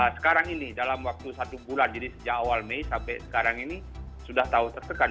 sekarang ini dalam waktu satu bulan jadi sejak awal mei sampai sekarang ini sudah tahu tertekan